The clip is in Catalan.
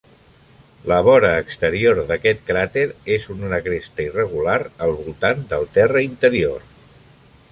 La vora exterior d'aquest cràter és una cresta irregular al voltant del terra interior.